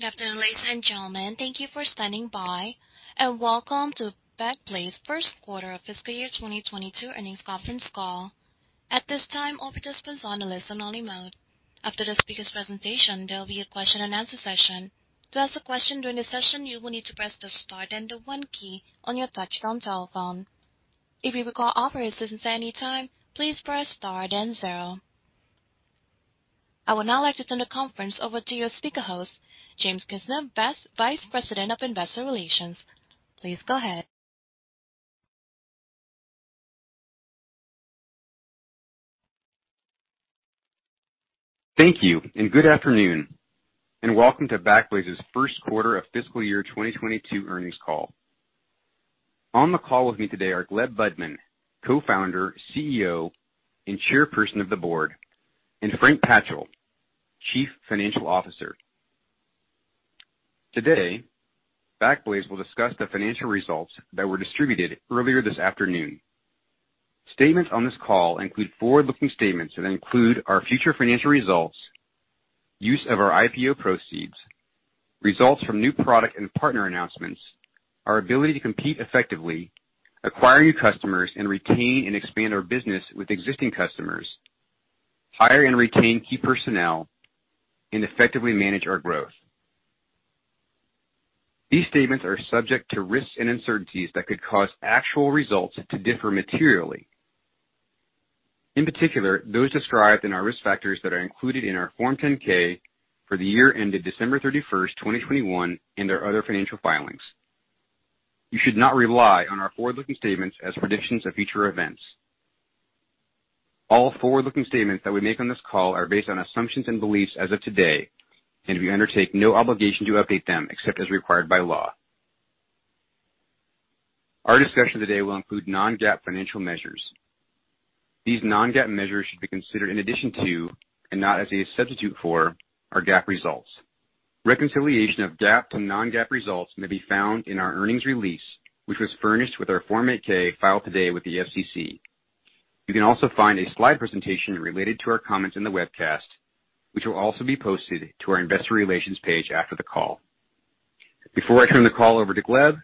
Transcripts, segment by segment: Good afternoon, ladies and gentlemen. Thank you for standing by, and welcome to Backblaze First Quarter of Fiscal Year 2022 Earnings Conference Call. At this time, all participants are on a listen only mode. After the speakers' presentation, there will be a question and answer session. To ask a question during the session, you will need to press the star then the one key on your touchtone telephone. If you require operator assistance at any time, please press star then zero. I would now like to turn the conference over to your speaker host, James Kisner, Vice President of Investor Relations. Please go ahead. Thank you, and good afternoon, and welcome to Backblaze's First Quarter of Fiscal Year 2022 Earnings Call. On the call with me today are Gleb Budman, Co-founder, CEO, and Chairperson of the Board, and Frank Patchel, Chief Financial Officer. Today, Backblaze will discuss the financial results that were distributed earlier this afternoon. Statements on this call include forward-looking statements that include our future financial results, use of our IPO proceeds, results from new product and partner announcements, our ability to compete effectively, acquire new customers, and retain and expand our business with existing customers, hire and retain key personnel, and effectively manage our growth. These statements are subject to risks and uncertainties that could cause actual results to differ materially, in particular, those described in our risk factors that are included in our Form 10-K for the year ended December 31st, 2021, and their other financial filings. You should not rely on our forward-looking statements as predictions of future events. All forward-looking statements that we make on this call are based on assumptions and beliefs as of today, and we undertake no obligation to update them except as required by law. Our discussion today will include non-GAAP financial measures. These non-GAAP measures should be considered in addition to and not as a substitute for our GAAP results. Reconciliation of GAAP to non-GAAP results may be found in our earnings release, which was furnished with our Form 8-K filed today with the SEC. You can also find a slide presentation related to our comments in the webcast, which will also be posted to our investor relations page after the call. Before I turn the call over to Gleb,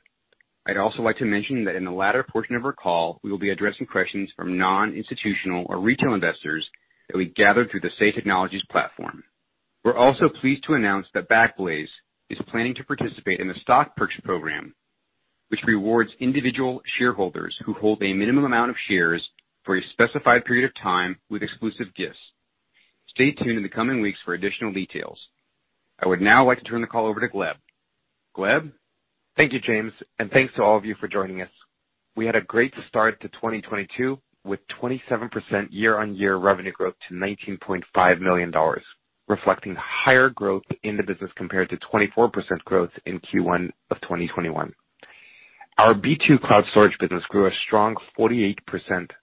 I'd also like to mention that in the latter portion of our call, we will be addressing questions from non-institutional or retail investors that we gathered through the Say Technologies platform. We're also pleased to announce that Backblaze is planning to participate in the stock purchase program, which rewards individual shareholders who hold a minimum amount of shares for a specified period of time with exclusive gifts. Stay tuned in the coming weeks for additional details. I would now like to turn the call over to Gleb. Gleb? Thank you, James and thanks to all of you for joining us. We had a great start to 2022 with 27% year-on-year revenue growth to $19.5 million, reflecting higher growth in the business compared to 24% growth in Q1 of 2021. Our B2 Cloud Storage business grew a strong 48%,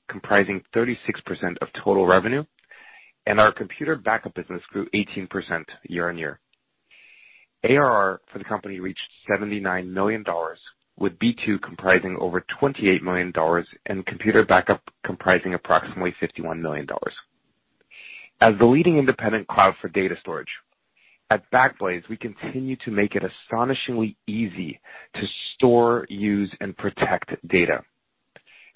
comprising 36% of total revenue and our computer backup business grew 18% year-on-year. ARR for the company reached $79 million with B2 comprising over $28 million and computer backup comprising approximately $51 million. As the leading independent cloud for data storage, at Backblaze we continue to make it astonishingly easy to store, use, and protect data.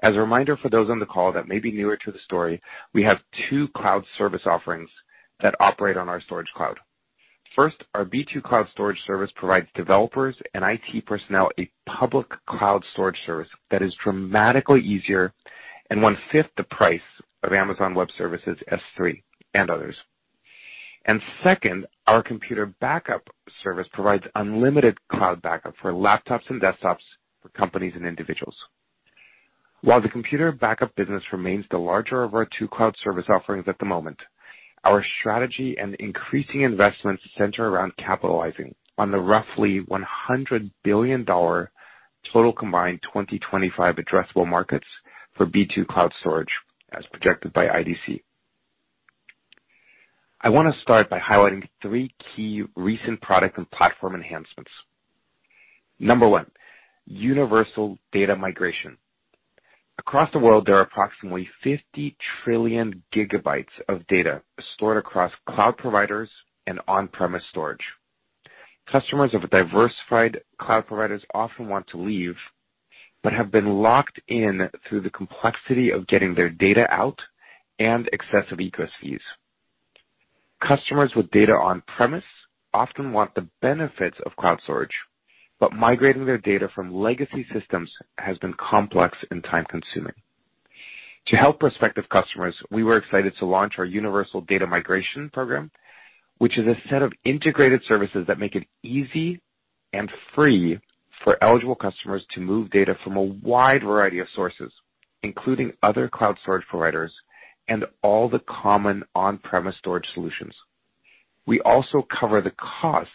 As a reminder for those on the call that may be newer to the story, we have two cloud service offerings that operate on our storage cloud. First, our B2 Cloud Storage service provides developers and IT personnel a public cloud storage service that is dramatically easier and 1/5 the price of Amazon Web Services, S3, and others. Second, our computer backup service provides unlimited cloud backup for laptops and desktops for companies and individuals. While the computer backup business remains the larger of our two cloud service offerings at the moment, our strategy and increasing investments center around capitalizing on the roughly $100 billion total combined 2025 addressable markets for B2 Cloud Storage as projected by IDC. I want to start by highlighting three key recent product and platform enhancements. Number one, universal data migration, across the world, there are approximately 50 trillion GB of data stored across cloud providers and on-premise storage. Customers of diversified cloud providers often want to leave but have been locked in through the complexity of getting their data out and excessive egress fees. Customers with data on-premise often want the benefits of cloud storage but migrating their data from legacy systems has been complex and time-consuming. To help prospective customers, we were excited to launch our universal data migration program, which is a set of integrated services that make it easy and free for eligible customers to move data from a wide variety of sources, including other cloud storage providers and all the common on-premise storage solutions. We also cover the costs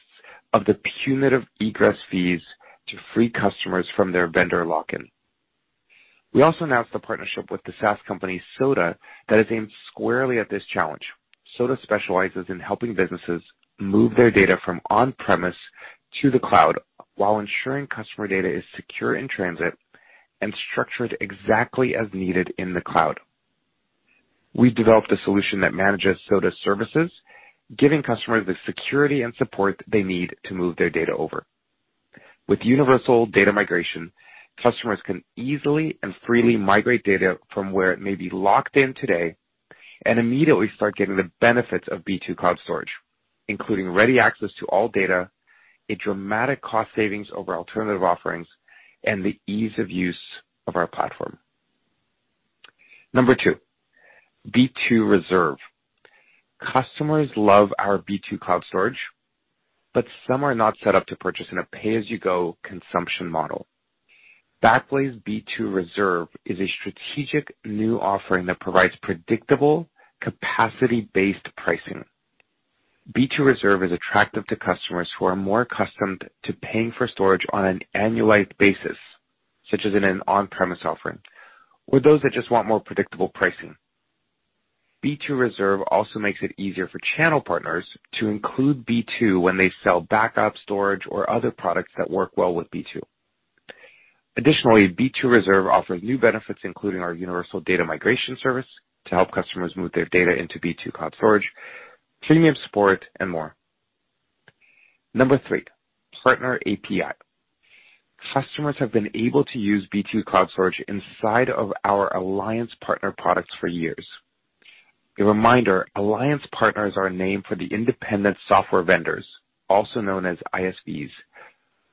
of the punitive egress fees to free customers from their vendor lock-in. We also announced the partnership with the SaaS company Soda that is aimed squarely at this challenge. Soda specializes in helping businesses move their data from on-premises to the cloud while ensuring customer data is secure in transit and structured exactly as needed in the cloud. We've developed a solution that manages Soda services, giving customers the security and support that they need to move their data over. With universal data migration, customers can easily and freely migrate data from where it may be locked in today and immediately start getting the benefits of B2 Cloud Storage, including ready access to all data, a dramatic cost savings over alternative offerings, and the ease of use of our platform. Number two, B2 Reserve, customers love our B2 Cloud Storage, but some are not set up to purchase in a pay-as-you-go consumption model. Backblaze B2 Reserve is a strategic new offering that provides predictable capacity-based pricing. B2 Reserve is attractive to customers who are more accustomed to paying for storage on an annualized basis, such as in an on-premise offering or those that just want more predictable pricing. B2 Reserve also makes it easier for channel partners to include B2 when they sell backup storage or other products that work well with B2. Additionally, B2 Reserve offers new benefits including our universal data migration service to help customers move their data into B2 cloud storage, premium support, and more. Number three, partner API, customers have been able to use B2 cloud storage inside of our alliance partner products for years. A reminder, alliance partners are a name for the independent software vendors, also known as ISVs,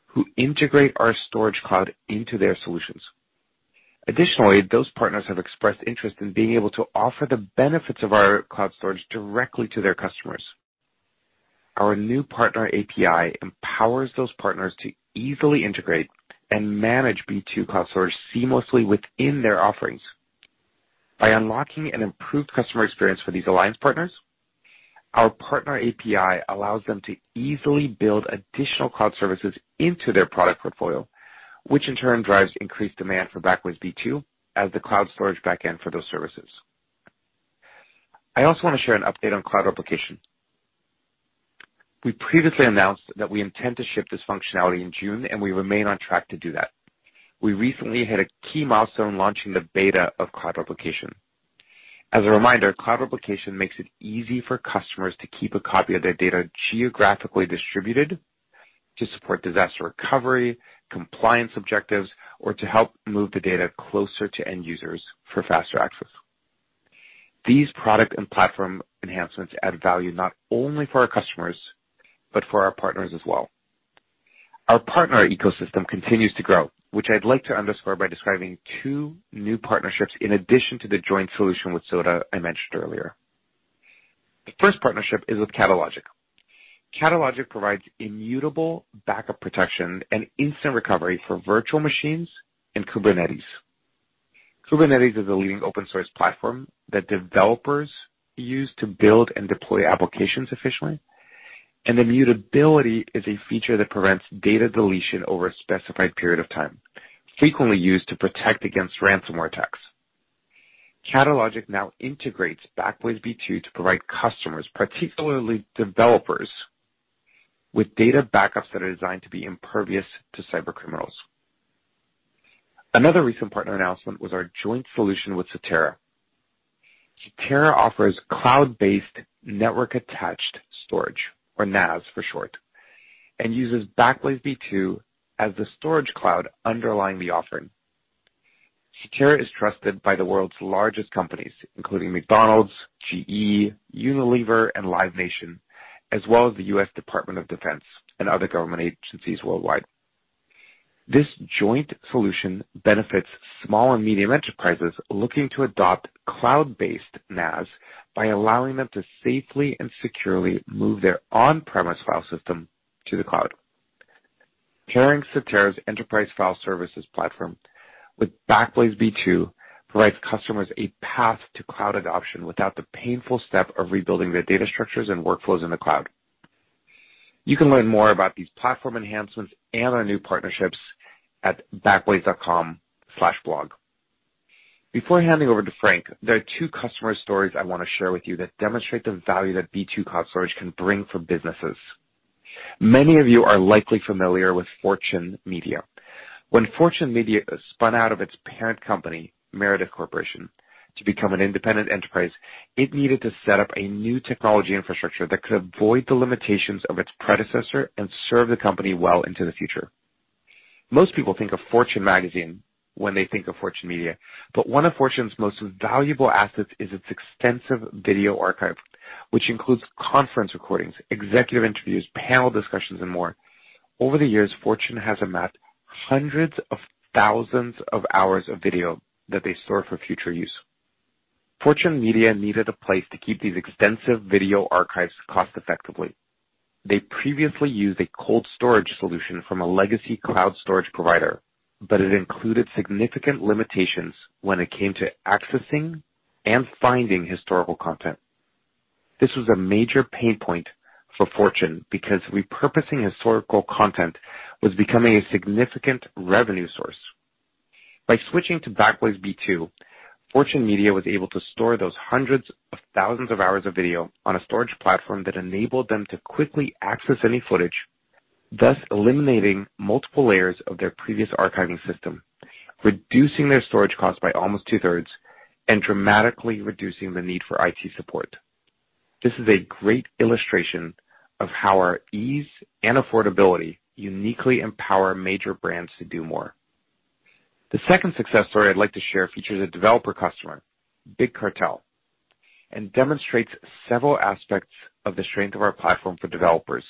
who integrate our storage cloud into their solutions. Additionally, those partners have expressed interest in being able to offer the benefits of our cloud storage directly to their customers. Our new partner API empowers those partners to easily integrate and manage B2 cloud storage seamlessly within their offerings. By unlocking an improved customer experience for these alliance partners, our partner API allows them to easily build additional cloud services into their product portfolio, which in turn drives increased demand for Backblaze B2 as the cloud storage backend for those services. I also want to share an update on cloud replication. We previously announced that we intend to ship this functionality in June and we remain on track to do that. We recently had a key milestone launching the beta of cloud replication. As a reminder, cloud replication makes it easy for customers to keep a copy of their data geographically distributed to support disaster recovery, compliance objectives, or to help move the data closer to end users for faster access. These product and platform enhancements add value not only for our customers but for our partners as well. Our partner ecosystem continues to grow, which I'd like to underscore by describing two new partnerships in addition to the joint solution with Soda I mentioned earlier. The first partnership is with Catalogic. Catalogic provides immutable backup protection and instant recovery for virtual machines and Kubernetes. Kubernetes is a leading open source platform that developers use to build and deploy applications efficiently and immutability is a feature that prevents data deletion over a specified period of time frequently used to protect against ransomware attacks. Catalogic now integrates Backblaze B2 to provide customers, particularly developers, with data backups that are designed to be impervious to cybercriminals. Another recent partner announcement was our joint solution with CTERA. CTERA offers cloud-based network-attached storage, or NAS for short, and uses Backblaze B2 as the storage cloud underlying the offering. CTERA is trusted by the world's largest companies, including McDonald's, GE, Unilever, and Live Nation, as well as the U.S. Department of Defense, and other government agencies worldwide. This joint solution benefits small and medium enterprises looking to adopt cloud-based NAS by allowing them to safely and securely move their on-premises file system to the cloud. Pairing CTERA's enterprise file services platform with Backblaze B2 provides customers a path to cloud adoption without the painful step of rebuilding their data structures and workflows in the cloud. You can learn more about these platform enhancements and our new partnerships at backblaze.com/blog. Before handing over to Frank, there are two customer stories I want to share with you that demonstrate the value that B2 cloud storage can bring for businesses. Many of you are likely familiar with Fortune Media. When Fortune Media spun out of its parent company, Meredith Corporation, to become an independent enterprise, it needed to set up a new technology infrastructure that could avoid the limitations of its predecessor and serve the company well into the future. Most people think of Fortune magazine when they think of Fortune Media, but one of Fortune's most valuable assets is its extensive video archive, which includes conference recordings, executive interviews, panel discussions, and more. Over the years, Fortune has amassed hundreds of thousands of hours of video that they store for future use. Fortune Media needed a place to keep these extensive video archives cost effectively. They previously used a cold storage solution from a legacy cloud storage provider but it included significant limitations when it came to accessing and finding historical content. This was a major pain point for Fortune because repurposing historical content was becoming a significant revenue source. By switching to Backblaze B2, Fortune Media was able to store those 100s of 1,000s of hours of video on a storage platform that enabled them to quickly access any footage. Thus eliminating multiple layers of their previous archiving system, reducing their storage costs by almost 2/3, and dramatically reducing the need for IT support. This is a great illustration of how our ease and affordability uniquely empower major brands to do more. The second success story I'd like to share features a developer customer, Big Cartel, and demonstrates several aspects of the strength of our platform for developers.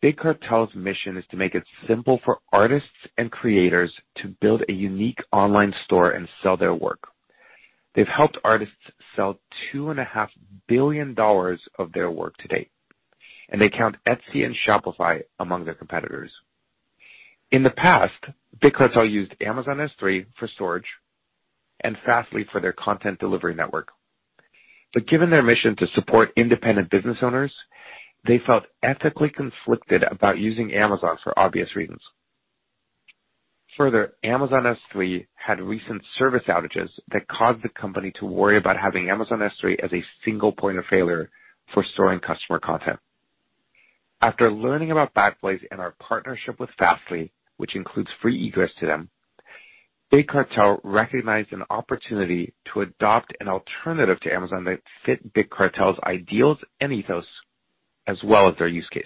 Big Cartel's mission is to make it simple for artists and creators to build a unique online store and sell their work. They've helped artists sell $2.5 billion of their work to date and they count Etsy and Shopify among their competitors. In the past, Big Cartel used Amazon S3 for storage and Fastly for their content delivery network. Given their mission to support independent business owners, they felt ethically conflicted about using Amazon for obvious reasons. Further, Amazon S3 had recent service outages that caused the company to worry about having Amazon S3 as a single point of failure for storing customer content. After learning about Backblaze and our partnership with Fastly, which includes free egress to them, Big Cartel recognized an opportunity to adopt an alternative to Amazon that fit Big Cartel's ideals and ethos, as well as their use case.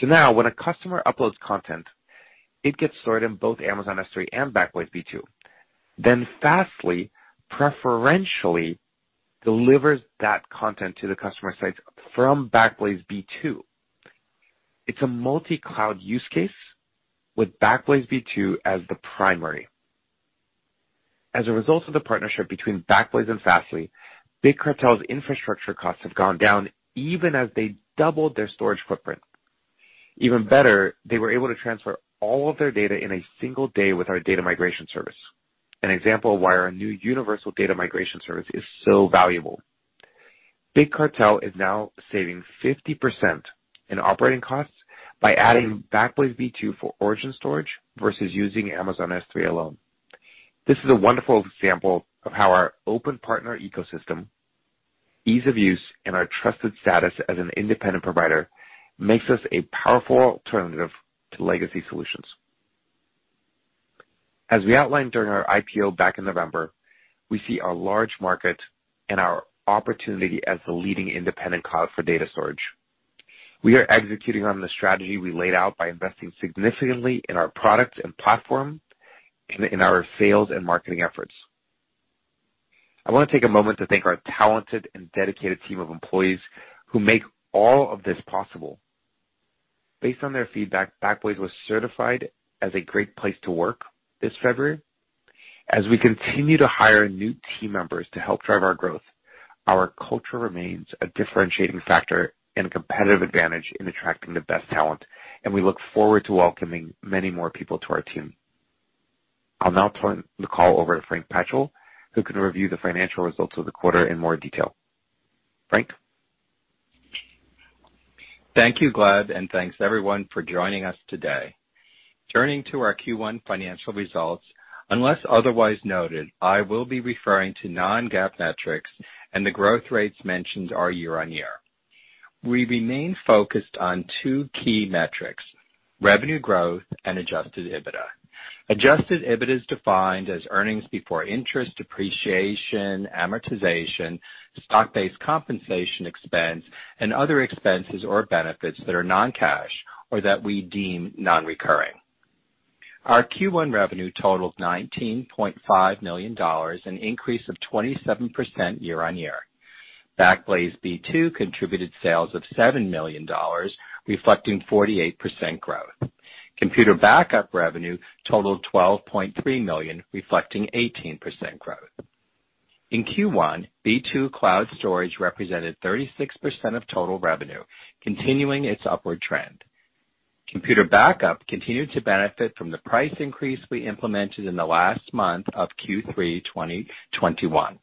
Now, when a customer uploads content, it gets stored in both Amazon S3 and Backblaze B2. Fastly, preferentially, delivers that content to the customer sites from Backblaze B2. It's a multi-cloud use case with Backblaze B2 as the primary. As a result of the partnership between Backblaze and Fastly, Big Cartel's infrastructure costs have gone down even as they doubled their storage footprint. Even better, they were able to transfer all of their data in a single day with our data migration service, an example of why our new universal data migration service is so valuable. Big Cartel is now saving 50% in operating costs by adding Backblaze B2 for origin storage versus using Amazon S3 alone. This is a wonderful example of how our open partner ecosystem, ease of use, and our trusted status as an independent provider makes us a powerful alternative to legacy solutions. As we outlined during our IPO back in November, we see a large market and our opportunity as the leading independent cloud for data storage. We are executing on the strategy we laid out by investing significantly in our products, and platform, and in our sales and marketing efforts. I want to take a moment to thank our talented and dedicated team of employees who make all of this possible. Based on their feedback, Backblaze was certified as a great place to work this February. As we continue to hire new team members to help drive our growth, our culture remains a differentiating factor and a competitive advantage in attracting the best talent, and we look forward to welcoming many more people to our team. I'll now turn the call over to Frank Patchel who can review the financial results of the quarter in more detail. Frank? Thank you, Gleb, and thanks, everyone for joining us today. Turning to our Q1 financial results, unless otherwise noted, I will be referring to non-GAAP metrics, and the growth rates mentioned are year-over-year. We remain focused on two key metrics, revenue growth and adjusted EBITDA. Adjusted EBITDA is defined as earnings before interest, depreciation, amortization, stock-based compensation expense, and other expenses or benefits that are non-cash or that we deem non-recurring. Our Q1 revenue totaled $19.5 million, an increase of 27% year-over-year. Backblaze B2 contributed sales of $7 million reflecting 48% growth. Computer backup revenue totaled $12.3 million reflecting 18% growth. In Q1, B2 cloud storage represented 36% of total revenue, continuing its upward trend. Computer backup continued to benefit from the price increase we implemented in the last month of Q3 2021.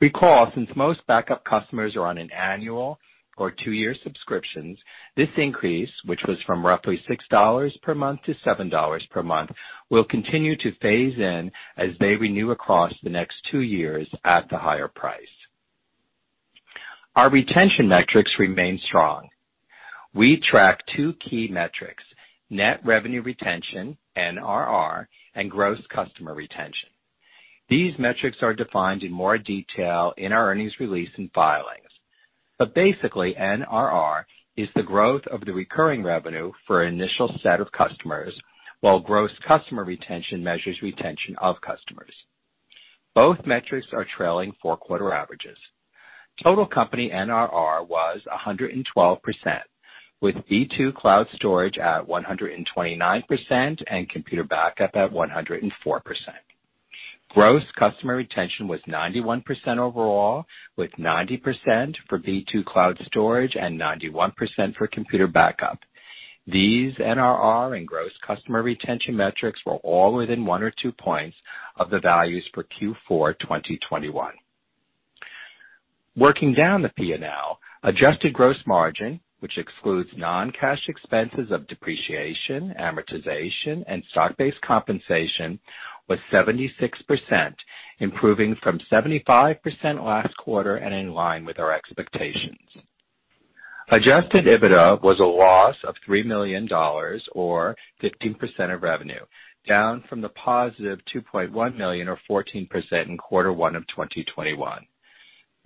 Recall, since most backup customers are on an annual or two-year subscriptions, this increase, which was from roughly $6 per month to $7 per month, will continue to phase in as they renew across the next two years at the higher price. Our retention metrics remain strong. We track two key metrics, net revenue retention, NRR, and gross customer retention. These metrics are defined in more detail in our earnings release and filings. Basically, NRR is the growth of the recurring revenue for an initial set of customers while gross customer retention measures retention of customers. Both metrics are trailing four-quarter averages. Total company NRR was 112% with B2 Cloud Storage at 129% and computer backup at 104%. Gross customer retention was 91% overall, with 90% for B2 Cloud Storag, and 91% for computer backup. These NRR and gross customer retention metrics were all within one or two points of the values for Q4 2021. Working down the P&L, adjusted gross margin, which excludes non-cash expenses of depreciation, amortization, and stock-based compensation, was 76%, improving from 75% last quarter, and in line with our expectations. Adjusted EBITDA was a loss of $3 million or 15% of revenue, down from the positive $2.1 million or 14% in quarter one of 2021.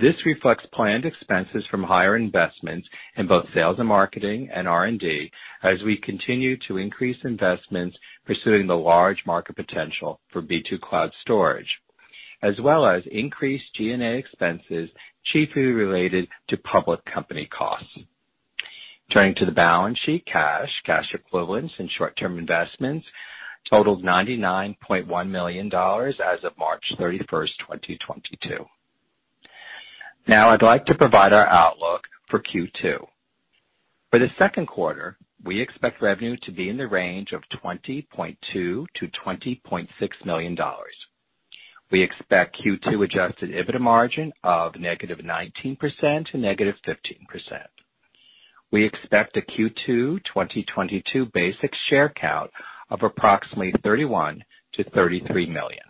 This reflects planned expenses from higher investments in both sales and marketing and R&D as we continue to increase investments pursuing the large market potential for B2 Cloud Storage, as well as increased G&A expenses, chiefly related to public company costs. Turning to the balance sheet, cash, cash equivalents, and short-term investments totaled $99.1 million as of March 31st, 2022. Now I'd like to provide our outlook for Q2. For the second quarter, we expect revenue to be in the range of $20.2 million to $20.6 million. We expect Q2 adjusted EBITDA margin of -19% to -15%. We expect a Q2 2022 basic share count of approximately $31 million to $33 million.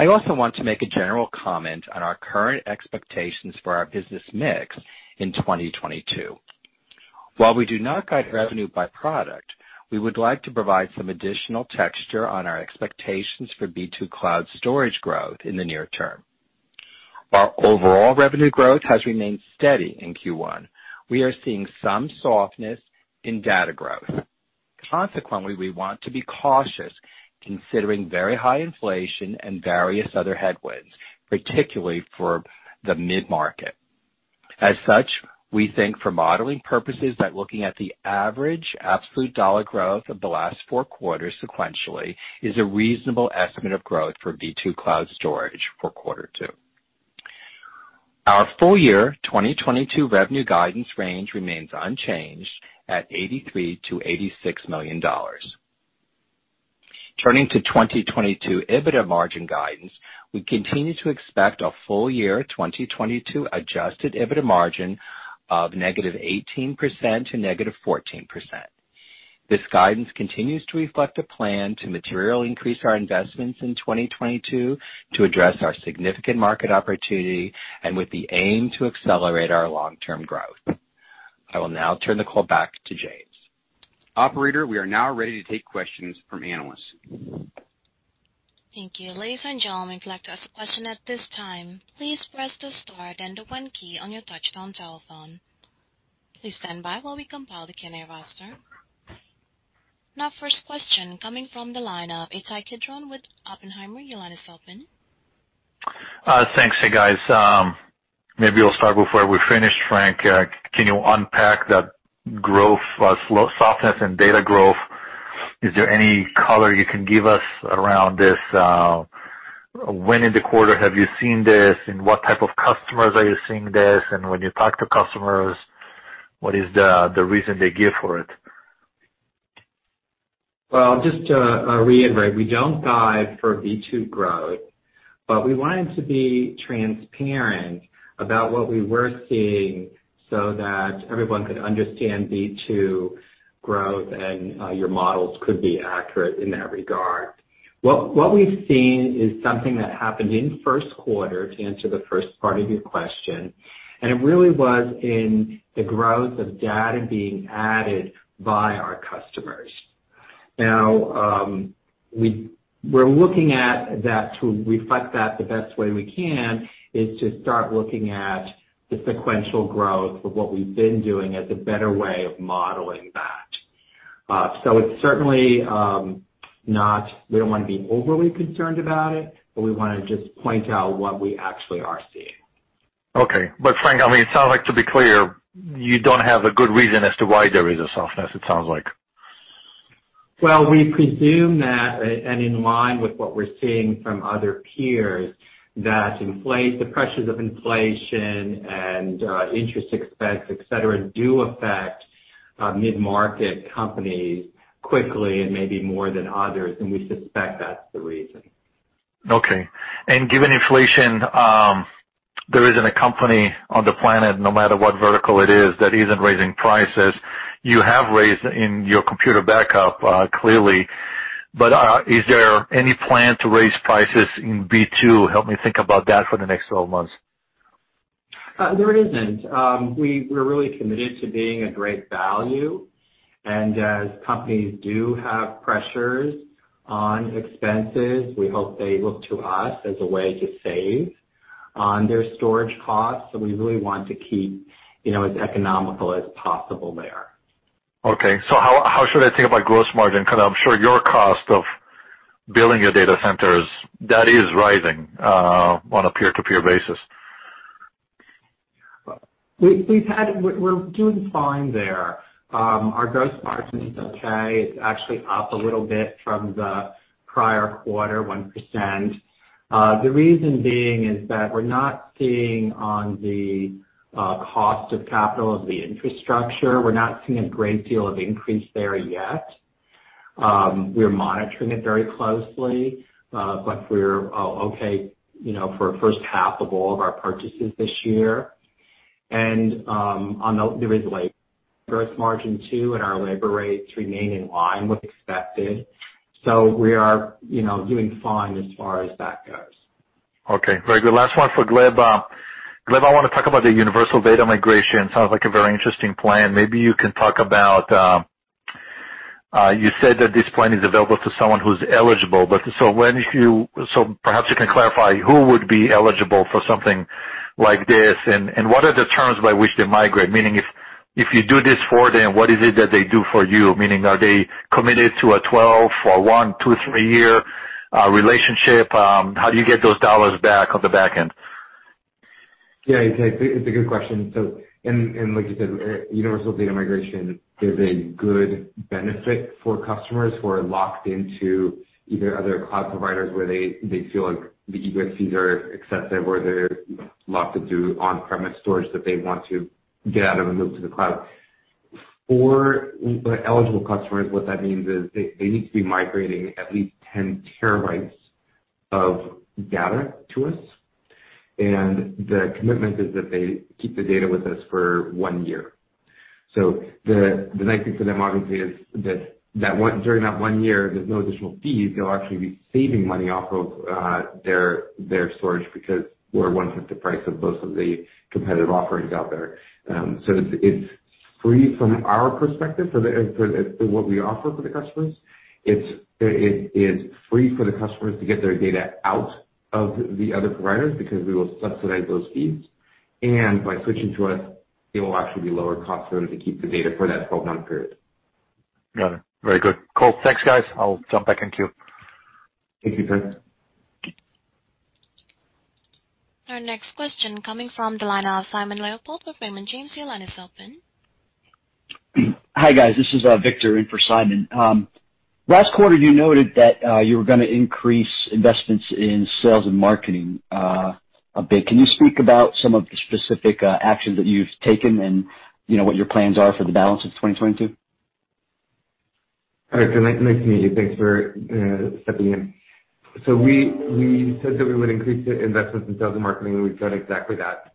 I also want to make a general comment on our current expectations for our business mix in 2022. While we do not guide revenue by product, we would like to provide some additional texture on our expectations for B2 Cloud Storage growth in the near term. While overall revenue growth has remained steady in Q1, we are seeing some softness in data growth. Consequently, we want to be cautious considering very high inflation and various other headwinds particularly for the mid-market. As such, we think for modeling purposes, that looking at the average absolute dollar growth of the last four quarters sequentially is a reasonable estimate of growth for B2 Cloud Storage for quarter two. Our full-year 2022 revenue guidance range remains unchanged at $83 million to $86 million. Turning to 2022 EBITDA margin guidance, we continue to expect a full-year 2022 adjusted EBITDA margin of -18% to -14%. This guidance continues to reflect a plan to materially increase our investments in 2022 to address our significant market opportunity and with the aim to accelerate our long-term growth. I will now turn the call back to James. Operator, we are now ready to take questions from analysts. Thank you. Ladies and gentlemen, if you'd like to ask a question at this time, please press the star then the one key on your touchtone telephone. Please stand by while we compile the Q&A roster. Now, first question coming from the line of Ittai Kidron with Oppenheimer. Your line is open. Thanks. Hey, guys. Maybe we'll start before we finish. Frank, can you unpack that growth slow softness in data growth? Is there any color you can give us around this? When in the quarter have you seen this, and what type of customers are you seeing this, and when you talk to customers, what is the reason they give for it? Well, just to reiterate, we don't guide for B2 growth, but we wanted to be transparent about what we were seeing so that everyone could understand B2 growth, and your models could be accurate in that regard. What we've seen is something that happened in first quarter, to answer the first part of your question, and it really was in the growth of data being added by our customers. Now, we're looking at that to reflect that the best way we can is to start looking at the sequential growth of what we've been doing as a better way of modeling that. It's certainly not, we don't want to be overly concerned about it, but we want to just point out what we actually are seeing. Okay. Frank, I mean, it sounds like to be clear, you don't have a good reason as to why there is a softness, it sounds like. Well, we presume that, and in line with what we're seeing from other peers, that the pressures of inflation, and interest expense, et cetera do affect mid-market companies quickly and maybe more than others, and we suspect that's the reason. Okay. Given inflation, there isn't a company on the planet, no matter what vertical it is, that isn't raising prices. You have raised in your computer backup, clearly, but, is there any plan to raise prices in B2? Help me think about that for the next 12 months. There isn't. We're really committed to being a great value. As companies do have pressures on expenses, we hope they look to us as a way to save on their storage costs. We really want to keep, you know, as economical as possible there. Okay. How should I think about gross margin? Because I'm sure your cost of building your data centers, that is rising, on a peer-to-peer basis. We're doing fine there. Our gross margin is okay. It's actually up a little bit from the prior quarter, 1%. The reason being is that we're not seeing on the cost of capital of the infrastructure, we're not seeing a great deal of increase there yet. We're monitoring it very closely, but we're okay, you know, for first half of all of our purchases this year. There is labor margin too and our labor rates remain in line was expected. We are, you know, doing fine as far as that goes. Okay, very good. Last one for Gleb. Gleb, I want to talk about the universal data migration. It sounds like a very interesting plan. Maybe you can talk about. You said that this plan is available to someone who's eligible, but perhaps you can clarify who would be eligible for something like this, and what are the terms by which they migrate? Meaning if you do this for them, what is it that they do for you? Meaning are they committed to a 12 or one year, two year, three year relationship? How do you get those dollars back on the back end? Yeah, it's a good question, and like you said, universal data migration is a good benefit for customers who are locked into either other cloud providers where they feel like the egress fees are excessive or they're locked into on-premise storage that they want to get out of and move to the cloud. For the eligible customers, what that means is they need to be migrating at least 10 TB of data to us, and the commitment is that they keep the data with us for one year. The nice thing for them, obviously, is that during that one year, there's no additional fees. They'll actually be saving money off of their storage because we're 1/5 the price of most of the competitive offerings out there. It's free from our perspective for what we offer for the customers. It's free for the customers to get their data out of the other providers because we will subsidize those fees. By switching to us, it will actually be lower cost for them to keep the data for that 12-month period. Got it. Very good. Cool. Thanks, guys. I'll jump back in queue. Thank you, Ittai. Our next question coming from the line of Simon Leopold with Raymond James. Your line is open. Hi, guys. This is Victor in for Simon. Last quarter you noted that you were going to increase investments in sales and marketing a bit. Can you speak about some of the specific actions that you've taken and, you know, what your plans are for the balance of 2022? All right. Nice to meet you. Thanks for stepping in. We said that we would increase the investments in sales and marketing and we've done exactly that.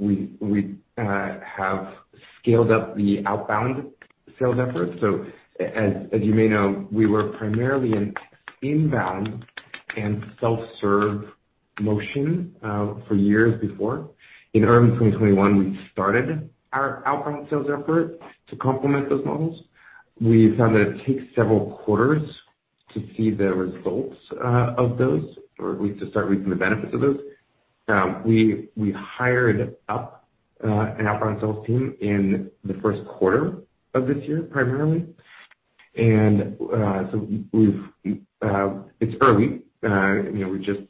We have scaled up the outbound sales efforts. As you may know, we were primarily an inbound and self-serve motion for years before. In early 2021, we started our outbound sales effort to complement those models. We found that it takes several quarters to see the results of those or at least to start reaping the benefits of those. We hired up an outbound sales team in the first quarter of this year, primarily. I's early. We just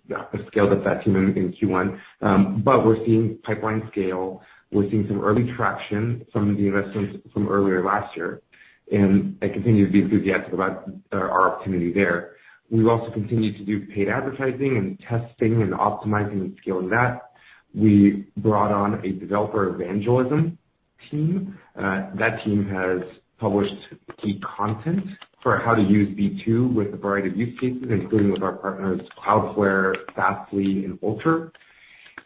scaled up that team in Q1 but we're seeing pipeline scale. We're seeing some early traction from the investments from earlier last year and I continue to be enthusiastic about our opportunity there. We've also continued to do paid advertising, and testing, and optimizing, and scaling that. We brought on a developer evangelism team. That team has published key content for how to use B2 with a variety of use cases including with our partners Cloudflare, Fastly, and Vultr.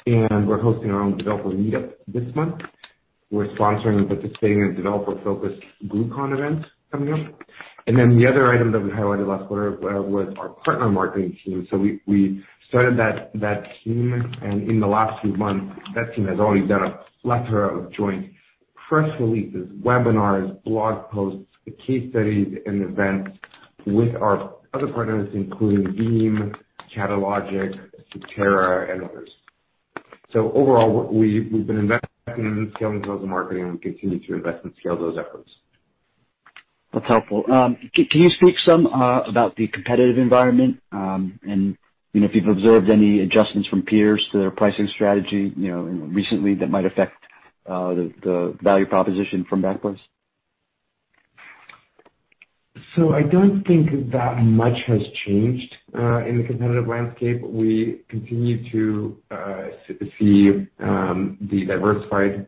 We're hosting our own developer meetup this month. We're sponsoring and participating in developer-focused Gluecon event coming up. The other item that we highlighted last quarter was our partner marketing team. We started that team and in the last few months, that team has already done a plethora of joint press releases, webinars, blog posts, case studies, and events with our other partners, including Veeam, Catalogic, CTERA, and others. Overall, we've been investing in scaling sales and marketing and we continue to invest and scale those efforts. That's helpful. Can you speak some about the competitive environment, and, you know, if you've observed any adjustments from peers to their pricing strategy, you know, recently that might affect the value proposition from Backblaze? I don't think that much has changed in the competitive landscape. We continue to see the diversified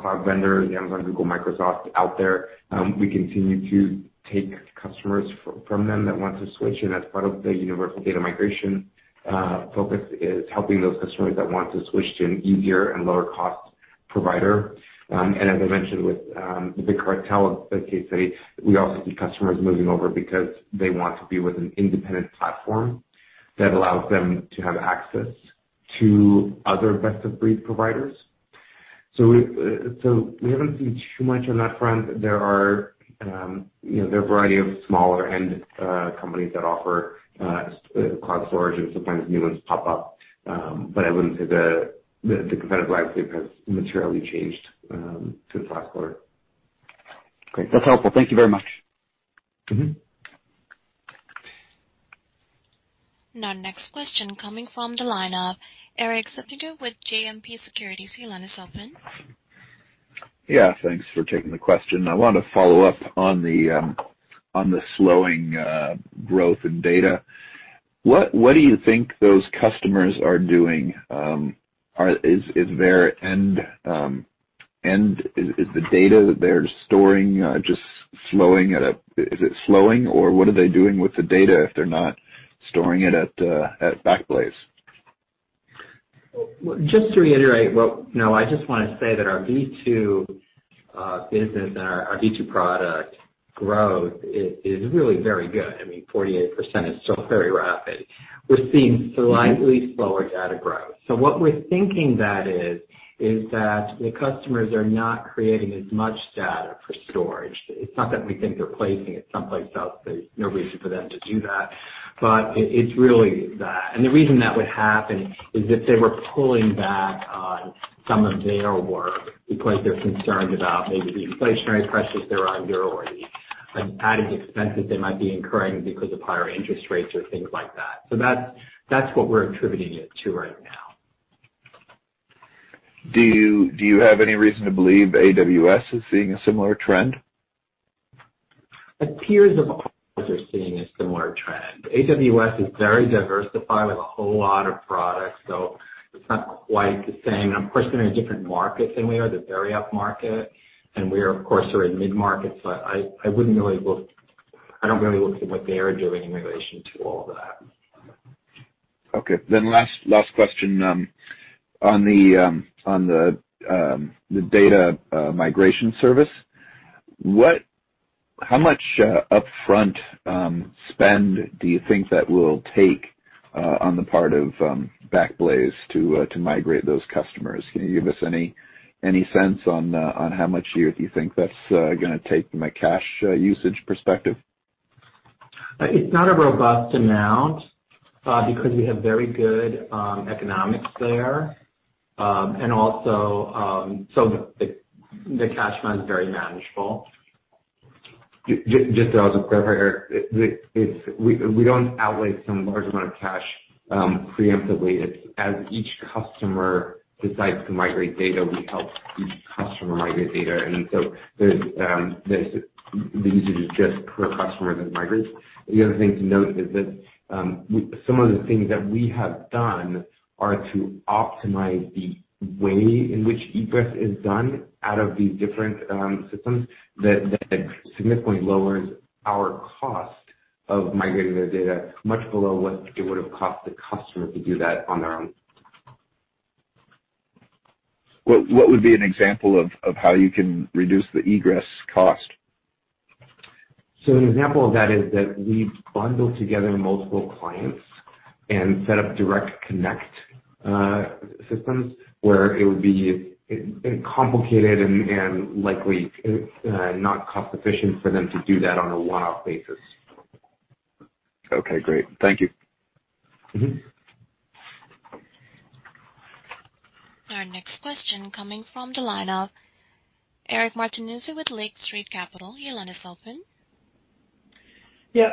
cloud vendors, Amazon, Google, Microsoft out there. We continue to take customers from them that want to switch and that's part of the universal data migration focus is helping those customers that want to switch to an easier and lower cost provider. As I mentioned with the Big Cartel case study, we also see customers moving over because they want to be with an independent platform that allows them to have access to other best-of-breed providers. We haven't seen too much on that front. There are a variety of smaller end companies that offer cloud storage and sometimes new ones pop up. I wouldn't say the competitive landscape has materially changed since last quarter. Great. That's helpful. Thank you very much. Our next question coming from the line of Erik Suppiger with JMP Securities. Your line is open. Yeah, thanks for taking the question. I wanted to follow up on the slowing growth in data. What do you think those customers are doing? Is the data that they're storing just slowing? Is it slowing or what are they doing with the data, if they're not storing it at Backblaze? To reiterate, now, I just want to say that our B2 business and our B2 product growth is really very good. I mean, 48% is still very rapid. We're seeing slightly slower data growth. So what we're thinking that is that the customers are not creating as much data for storage. It's not that we think they're placing it someplace else. There's no reason for them to do that but it's really that. The reason that would happen is if they were pulling back on some of their work because they're concerned about maybe the inflationary pressures that are underway and added expenses they might be incurring because of higher interest rates or things like that. So that's what we're attributing it to right now. Do you have any reason to believe AWS is seeing a similar trend? It appears we are seeing a similar trend. AWS is very diversified with a whole lot of products. It's not quite the same, of course, they're in a different market than we are. They're very upmarket, and we're, of course, in mid-market. I don't really look at what they are doing in relation to all that. Okay. Last question, on the data migration service, how much upfront spend do you think that will take on the part of Backblaze to migrate those customers? Can you give us any sense on how much you do think that's going to take from a cash usage perspective? It's not a robust amount because we have very good economics there. Also, the cash fund is very manageable. To also clarify, Eric, we don't outlay some large amount of cash preemptively. It's as each customer decides to migrate data, we help each customer migrate data. The usage is just per customer that migrates. The other thing to note is that some of the things that we have done are to optimize the way in which egress is done out of these different systems that significantly lowers our cost of migrating their data much below what it would've cost the customer to do that on their own. What would be an example of how you can reduce the egress cost? An example of that is that we bundle together multiple clients and set up Direct Connect systems where it would be complicated and likely not cost efficient for them to do that on a one-off basis. Okay, great. Thank you. Our next question coming from the line of Eric Martinuzzi with Lake Street Capital Markets. Your line is open.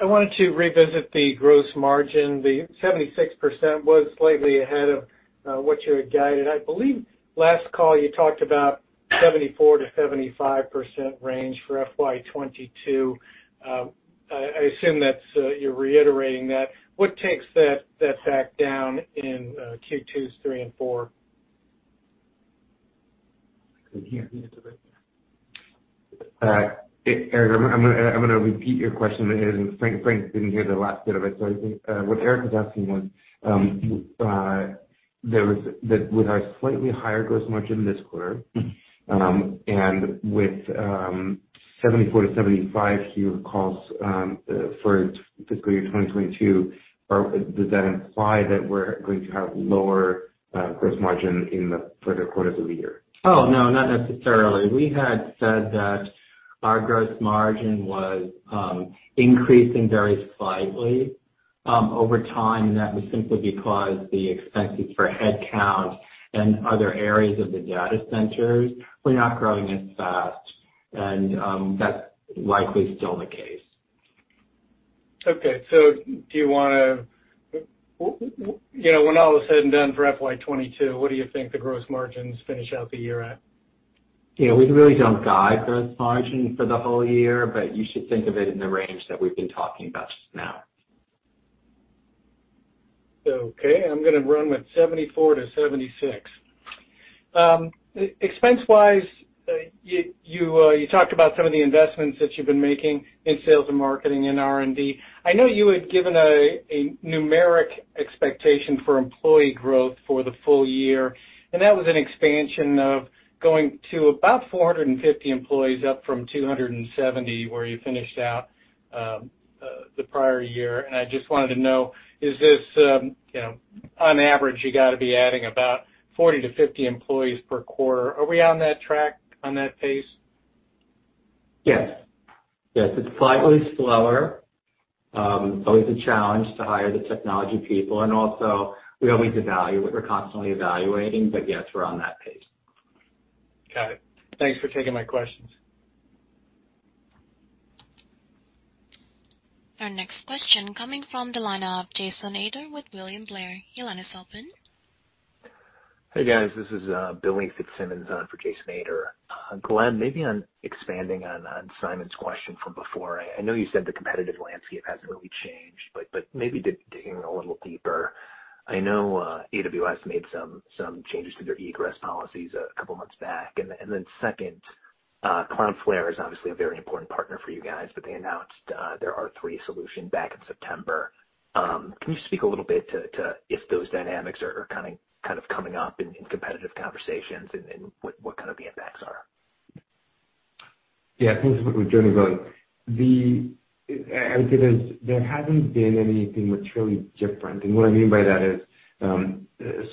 I wanted to revisit the gross margin, the 76% was slightly ahead of what you had guided. I believe last call you talked about 74% to 75% range for FY 2022. I assume you're reiterating that. What takes that back down in Q2, Q3, and Q4? I couldn't hear the end of it. Eric, I'm going to repeat your question. Frank didn't hear the last bit of it. I think what Eric is asking was that with our slightly higher gross margin this quarter, and with 74% to 75% Q calls, for Fiscal Year 2022, does that imply that we're going to have lower gross margin in the further quarters of the year? No, not necessarily. We had said that our gross margin was increasing very slightly over time, and that was simply because the expenses for headcount and other areas of the data centers were not growing as fast, and that's likely still the case. When all is said and done for FY 2022, what do you think the gross margins finish out the year at? Yeah. We really don't guide gross margin for the whole year but you should think of it in the range that we've been talking about now. Okay. I'm going to run with 74% to 76%. Expense wise, you talked about some of the investments that you've been making in sales and marketing and R&D. I know you had given a numeric expectation for employee growth for the full-year and that was an expansion of going to about 450 employees up from 270 where you finished out the prior year. I just wanted to know, is this on average, you got to be adding about 40 to 50 employees per quarter. Are we on that track, on that pace? Yes. Yes, it's slightly slower. It's always a challenge to hire the technology people. Also, we always evaluate, we're constantly evaluating but yes, we're on that pace. Got it. Thanks for taking my questions. Our next question coming from the line of Jason Ader with William Blair. Your line is open. Hey, guys, this is Billy Fitzsimmons on for Jason Ader. Gleb, maybe on expanding on Simon's question from before. I know you said the competitive landscape hasn't really changed but maybe digging a little deeper. I know AWS made some changes to their egress policies a couple months back. And then second, Cloudflare is obviously a very important partner for you guys, but they announced their R2 solution back in September. Can you speak a little bit to if those dynamics are kind of coming up in competitive conversations and what kind of the impacts are? Yeah. Thanks for the question, Billy. I would say there hasn't been anything materially different. What I mean by that is,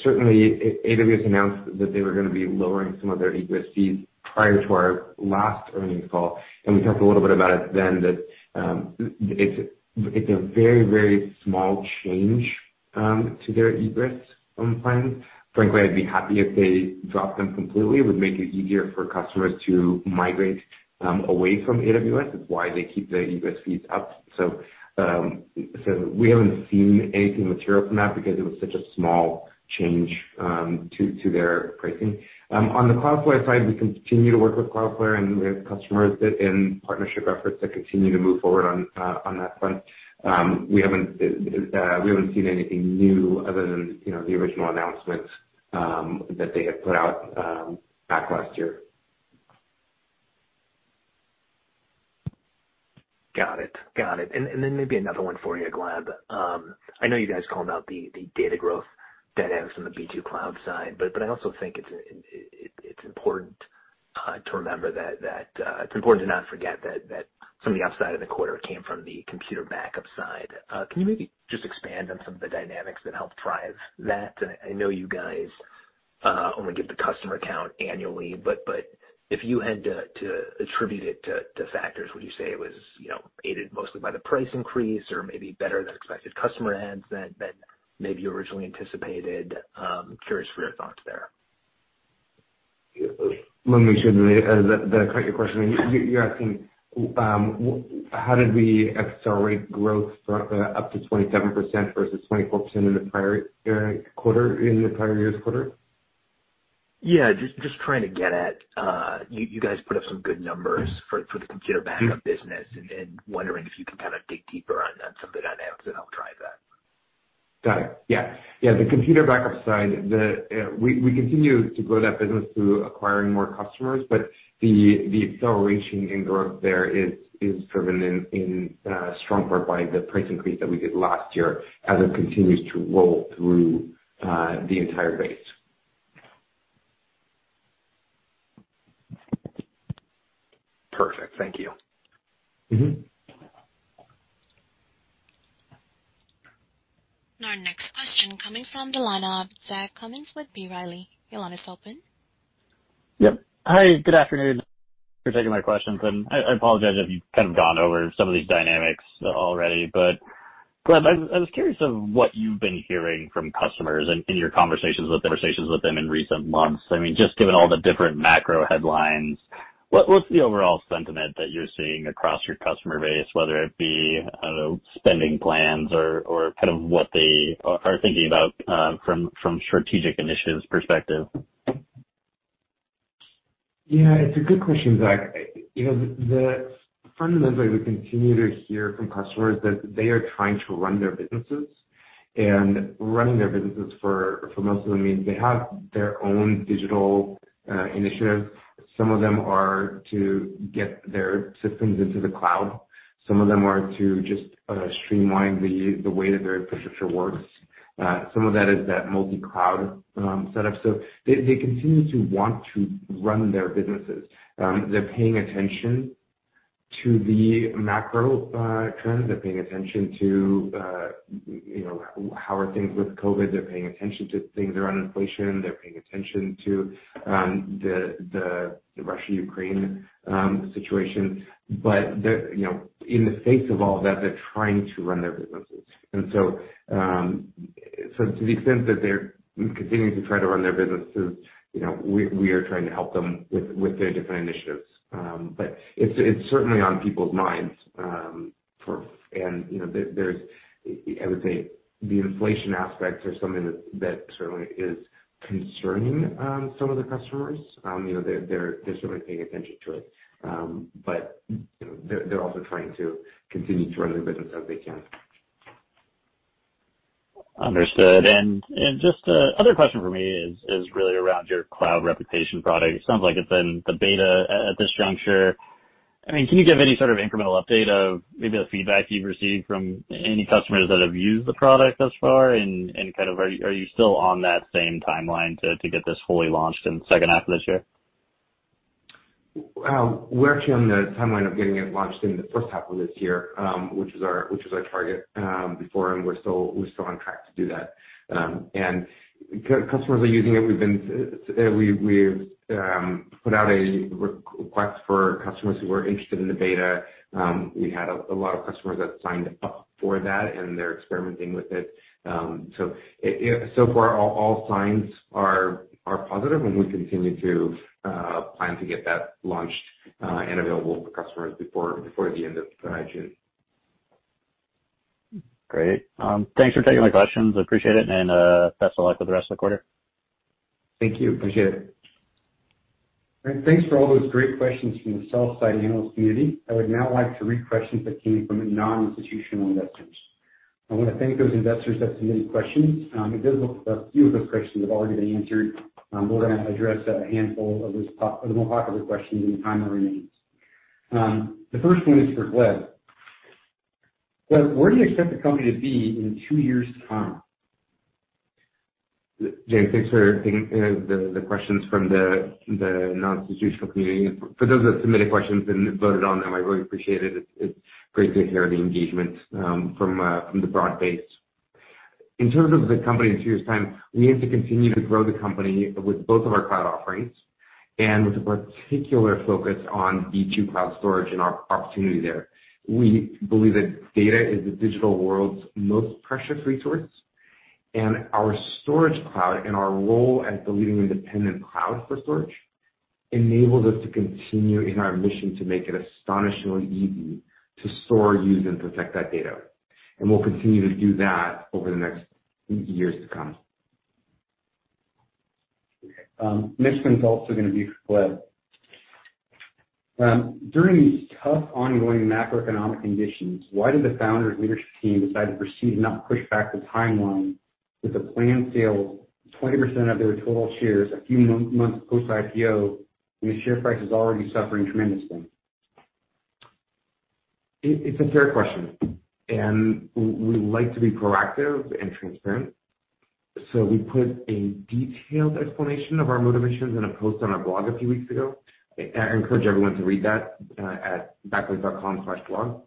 certainly AWS announced that they were going to be lowering some of their egress fees prior to our last earnings call and we talked a little bit about it then that it's a very, very small change to their egress plans. Frankly, I'd be happy if they dropped them completely. It would make it easier for customers to migrate away from AWS. It's why they keep the egress fees up. We haven't seen anything material from that because it was such a small change to their pricing. On the Cloudflare side, we continue to work with Cloudflare, and we have customers that in partnership efforts that continue to move forward on that front. We haven't seen anything new other than, you know, the original announcement that they had put out back last year. Got it, got it, and then maybe another one for you, Gleb. I know you guys called out the data growth dynamics on the B2 cloud side, but I also think it's important to remember that it's important to not forget that some of the upside of the quarter came from the computer backup side. Can you maybe just expand on some of the dynamics that helped drive that? I know you guys only give the customer count annually, but if you had to attribute it to factors, would you say it was, you know, aided mostly by the price increase or maybe better than expected customer adds than maybe you originally anticipated? I'm curious for your thoughts there. Let me make sure that I caught your question. You're asking how did we accelerate growth from up to 27% versus 24% in the prior quarter, in the prior year's quarter? Yeah. I'm just trying to get at, you guys put up some good numbers for the computer backup business and wondering if you can kind of dig deeper on some of the dynamics that helped drive that. Got it, yeah. Yeah. The computer backup side, we continue to grow that business through acquiring more customers, but the acceleration in growth there is more strongly driven by the price increase that we did last year as it continues to roll through the entire base. Perfect. Thank you. Our next question coming from the line of Zachary Cummins with B. Riley. Your line is open. Yep. Hi, good afternoon. Thanks for taking my questions and I apologize if you've kind of gone over some of these dynamics already. Gleb, I was curious of what you've been hearing from customers in your conversations with them in recent months. I mean, just given all the different macro headlines, what's the overall sentiment that you're seeing across your customer base, whether it be, I don't know, spending plans or kind of what they are thinking about from strategic initiatives perspective? Yeah, it's a good question, Zach. You know, fundamentally we continue to hear from customers that they are trying to run their businesses. Running their businesses for most of them means they have their own digital initiatives. Some of them are to get their systems into the cloud. Some of them are to just streamline the way that their infrastructure works. Some of that is that multi-cloud setup. They continue to want to run their businesses. They're paying attention to the macro trends. They're paying attention to, you know, how are things with COVID. They're paying attention to things around inflation. They're paying attention to the Russia-Ukraine situation but, you know, in the face of all that, they're trying to run their businesses. To the extent that they're continuing to try to run their businesses, you know, we are trying to help them with their different initiatives. It's certainly on people's minds. I would say the inflation aspects are something that certainly is concerning some of the customers. They're certainly paying attention to it. They're also trying to continue to run their business as they can. Understood. Just another question for me is really around your cloud retention product. It sounds like it's in the beta at this juncture. I mean, can you give any sort of incremental update of maybe the feedback you've received from any customers that have used the product thus far? Are you still on that same timeline to get this fully launched in the second half of this year? We're actually on the timeline of getting it launched in the first half of this year, which is our target before. We're still on track to do that. Customers are using it. We've put out a request for customers who are interested in the beta. We had a lot of customers that signed up for that and they're experimenting with it. So far all signs are positive and we continue to plan to get that launched and available for customers before the end of June. Great. Thanks for taking my questions. I appreciate it and best of luck with the rest of the quarter. Thank you. Appreciate it. All right. Thanks for all those great questions from the sell side analyst community. I would now like to read questions that came from non-institutional investors. I want to thank those investors that submitted questions. It does look like a few of those questions have already been answered. We're going to address a handful of the more popular questions in the time that remains. The first one is for Gleb. Gleb, where do you expect the company to be in two years' time? James, thanks for taking the questions from the non-institutional community. For those that submitted questions and voted on them, I really appreciate it. It's great to hear the engagement from the broad base. In terms of the company in two years' time, we need to continue to grow the company with both of our cloud offerings and with a particular focus on B2 Cloud Storage and our opportunity there. We believe that data is the digital world's most precious resource and our storage cloud and our role as the leading independent cloud for storage enables us to continue in our mission to make it astonishingly easy to store, use, and protect that data. We'll continue to do that over the next years to come. Next one is also going to be for Gleb. During these tough ongoing macroeconomic conditions, why did the founders leadership team decide to proceed and not push back the timeline with a planned sale of 20% of their total shares a few months post-IPO when the share price is already suffering tremendously? It's a fair question and we'd like to be proactive and transparent. We put a detailed explanation of our motivations in a post on our blog a few weeks ago. I encourage everyone to read that at backblaze.com/blog.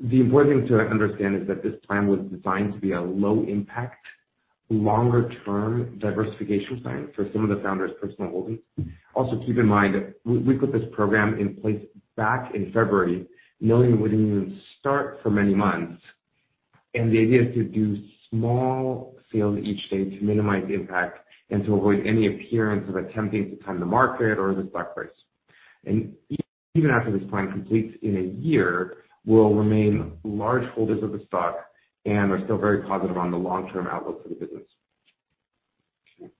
The important thing to understand is that this plan was designed to be a low impact, longer term diversification plan for some of the founders' personal holdings. Also keep in mind, we put this program in place back in February knowing it wouldn't even start for many months. The idea is to do small sales each day to minimize impact and to avoid any appearance of attempting to time the market or the stock price. Even after this plan completes in a year, we'll remain large holders of the stock and are still very positive on the long-term outlook for the business. Okay.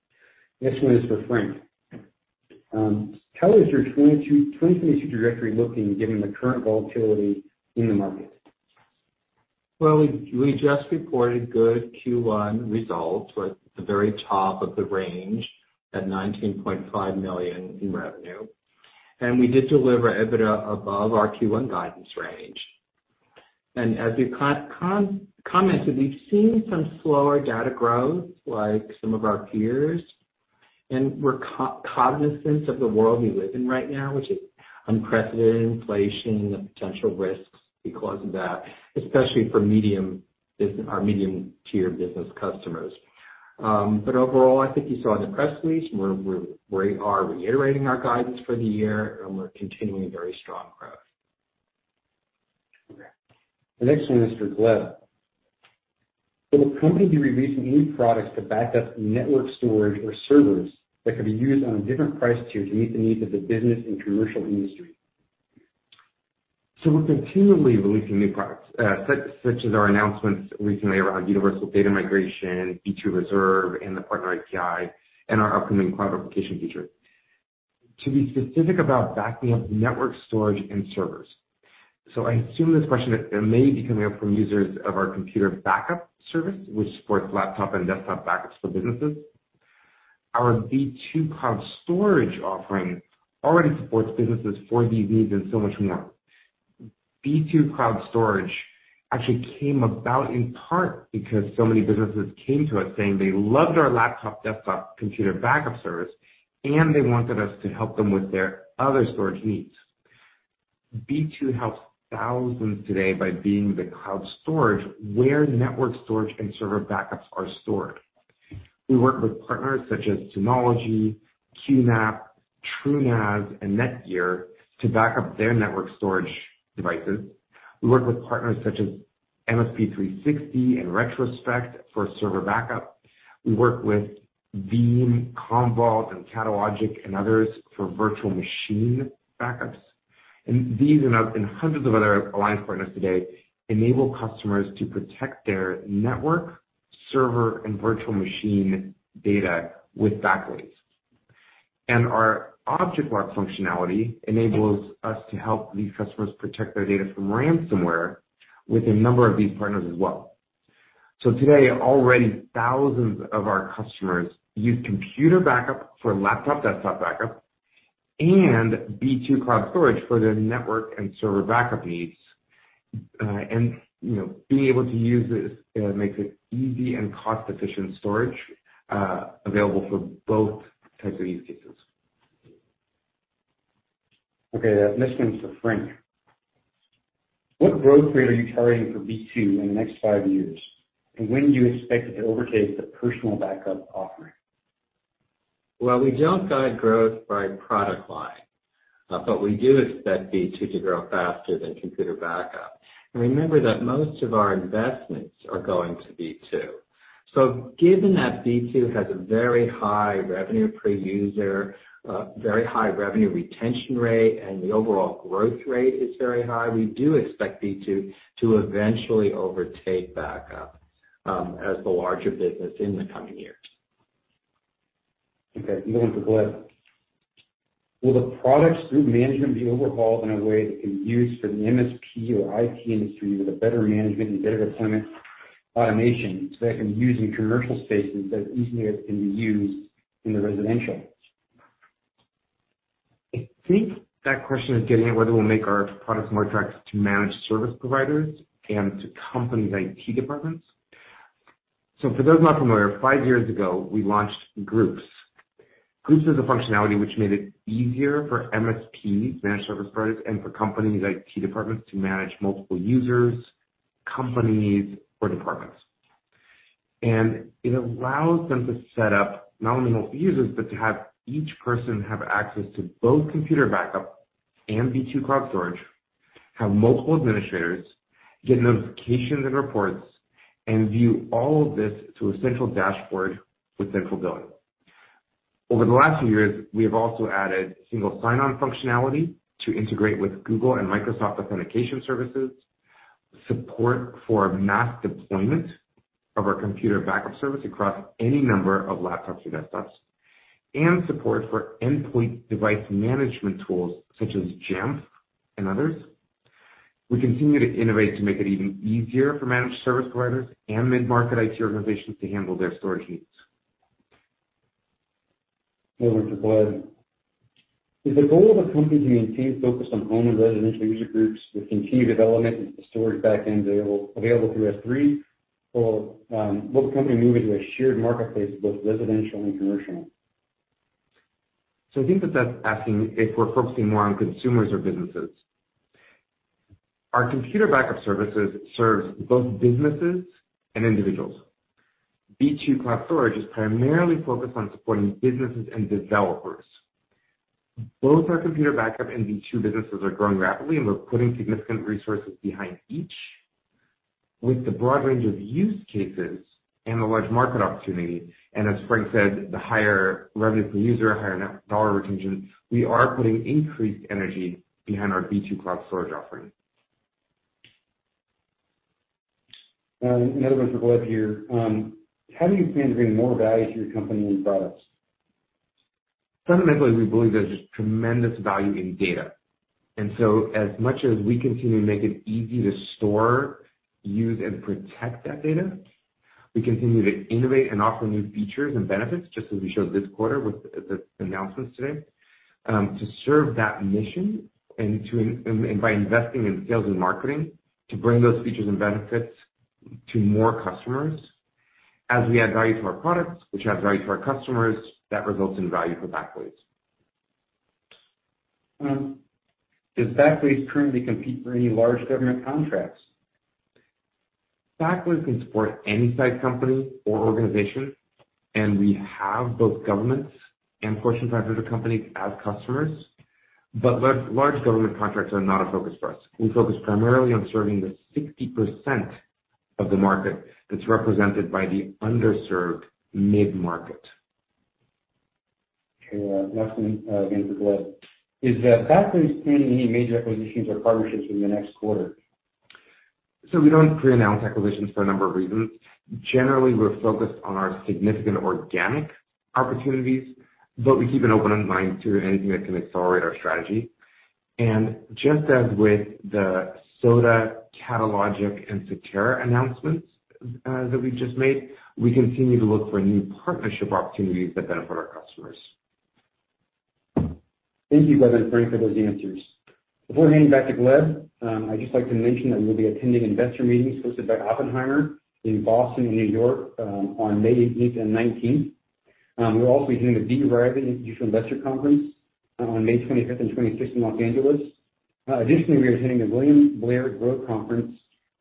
Next one is for Frank. How is your 2022 trajectory looking given the current volatility in the market? Well, we just reported good Q1 results. We're at the very top of the range at $19.5 million in revenue. We did deliver EBITDA above our Q1 guidance range. As we commented, we've seen some slower data growth like some of our peers, and we're cognizant of the world we live in right now, which is unprecedented inflation and the potential risks because of that, especially for our medium tier business customers. Overall, I think you saw in the press release, we are reiterating our guidance for the year, and we're continuing very strong growth. Okay. The next one is for Gleb Budman. Will the company be releasing any products to back up network storage or servers that could be used on different price tiers to meet the needs of the business and commercial industry? We're continually releasing new products, such as our announcements recently around universal data migration, B2 Reserve, and the partner API and our upcoming cloud application feature. To be specific about backing up network storage and servers. I assume this question may be coming up from users of our computer backup service, which supports laptop and desktop backups for businesses. Our B2 Cloud Storage offering already supports businesses for these needs and so much more. B2 Cloud Storage actually came about in part because so many businesses came to us saying they loved our laptop, desktop computer backup service, and they wanted us to help them with their other storage needs. B2 helps 1,000s today by being the cloud storage where network storage and server backups are stored. We work with partners such as Synology, QNAP, TrueNAS, and Netgear to back up their network storage devices. We work with partners such as MSP360 and Retrospect for server backup. We work with Veeam, Commvault, and Catalogic, and others for virtual machine backups. These and 100s of other alliance partners today enable customers to protect their network, server, and virtual machine data with Backblaze. Our Object Lock functionality enables us to help these customers protect their data from ransomware with a number of these partners as well. Today, already 1,000s of our customers use computer backup for laptop, desktop backup, and B2 Cloud Storage for their network and server backup needs, you know, being able to use this makes it easy and cost-efficient storage available for both types of use cases. Okay. This one's for Frank. What growth rate are you targeting for B2 in the next five years? When do you expect it to overtake the personal backup offering? Well, we don't guide growth by product line but we do expect B2 to grow faster than computer backup. Remember that most of our investments are going to B2 so given that B2 has a very high revenue per user, very high revenue retention rate, and the overall growth rate is very high, we do expect B2 to eventually overtake backup as the larger business in the coming years. Okay, another one for Gleb. Will the products group management be overhauled in a way that can be used for the MSP or IT industry with a better management and better deployment automation so that it can be used in commercial spaces as easily as it can be used in the residential? I think that question is getting at whether we'll make our products more attractive to managed service providers and to companies' IT departments. For those not familiar, five years ago, we launched Groups. Groups is a functionality which made it easier for MSPs, managed service providers, and for companies' IT departments to manage multiple users, companies or departments. It allows them to set up not only more users, but to have each person have access to both computer backup and B2 Cloud Storage, have multiple administrators, get notifications and reports, and view all of this through a central dashboard with central billing. Over the last few years, we have also added single sign-on functionality to integrate with Google and Microsoft authentication services, support for mass deployment of our computer backup service across any number of laptops or desktops, and support for endpoint device management tools such as Jamf and others. We continue to innovate to make it even easier for managed service providers and mid-market IT organizations to handle their storage needs. This is one is for Gleb. Is the goal of the company to maintain focus on home and residential user groups with continued development and storage back-end available through S3 or will the company move into a shared marketplace, both residential and commercial? I think that that's asking if we're focusing more on consumers or businesses. Our Computer Backup services serves both businesses and individuals. B2 Cloud Storage is primarily focused on supporting businesses and developers. Both our Computer Backup and B2 businesses are growing rapidly, and we're putting significant resources behind each. With the broad range of use cases and the large market opportunity, and as Frank said, the higher revenue per user, higher net dollar retention, we are putting increased energy behind our B2 Cloud Storage offering. Another one for Gleb here. How do you plan to bring more value to your company and your products? Fundamentally, we believe there's just tremendous value in data. As much as we continue to make it easy to store, use, and protect that data, we continue to innovate and offer new features and benefits, just as we showed this quarter with the announcements today, to serve that mission and by investing in sales and marketing to bring those features and benefits to more customers. As we add value to our products, which adds value to our customers, that results in value for Backblaze. Does Backblaze currently compete for any large government contracts? Backblaze can support any size company or organization, and we have both governments and Fortune 500 companies as customers, but large government contracts are not a focus for us. We focus primarily on serving the 60% of the market that's represented by the underserved mid-market. Okay, last one, again for Gleb. Is Backblaze planning any major acquisitions or partnerships in the next quarter? We don't pre-announce acquisitions for a number of reasons. Generally, we're focused on our significant organic opportunities, but we keep an open mind to anything that can accelerate our strategy. As with the Soda, Catalogic, and CTERA announcements that we just made, we continue to look for new partnership opportunities that benefit our customers. Thank you, Gleb and Frank, for those answers. Before handing back to Gleb, I'd just like to mention that we'll be attending investor meetings hosted by Oppenheimer in Boston and New York on May 18 and 19. We'll also be attending the B. Riley Institutional Investor Conference on May 25th and 26th in Los Angeles. Additionally, we are attending the William Blair Growth Conference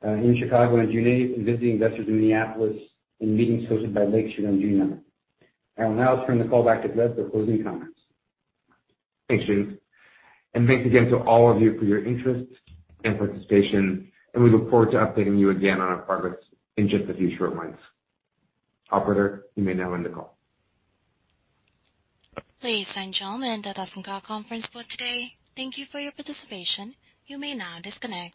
in Chicago on June 8 and visiting investors in Minneapolis in meetings hosted by Lake Street on June 9. I will now turn the call back to Gleb for closing comments. Thanks, James. Thanks again to all of you for your interest and participation and we look forward to updating you again on our progress in just a few short months. Operator, you may now end the call. Ladies and gentlemen, that ends our conference for today. Thank you for your participation. You may now disconnect.